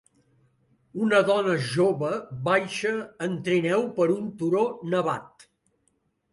Una dona jove baixa en trineu per un turó nevat.